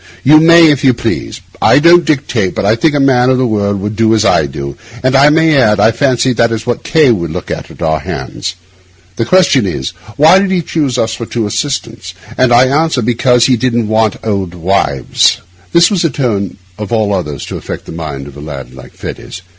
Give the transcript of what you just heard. You may, if you please. I don't dictate, but I think a man of the world would do as I do; and I may add, I fancy that is what K— would look for at our hands. The question is, Why did he choose us two for his assistants? And I answer, because he didn't want old wives.' This was the tone of all others to affect the mind of a lad like Fettes.